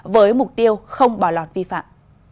với mục tiêu không bảo lọt vi phạm